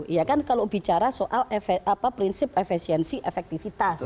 ya kan kalau bicara soal prinsip efesiensi efektivitas